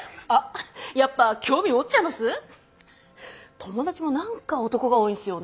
友達も何か男が多いんですよね。